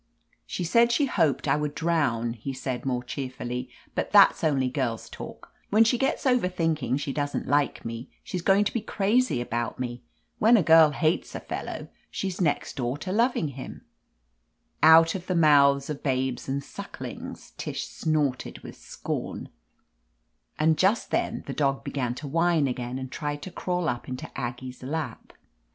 "She said she hoped I would drown," he said, more cheerfully, "but that's only girl's talk. When she gets over thinking she doesn't like me, she's going to be crazy about me. When a girl hates a fellow, she's next door to loving him." " *Out of the mouths of babes and suck lings,' " Tish snorted with scorn, and just then 313 THE AMAZING ADVENTURES the dog began to whine again and tried to crawl up into Aggie's lap.